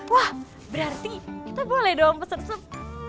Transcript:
wah berarti kita boleh dong pesersep